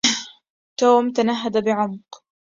توم تنهد بعمق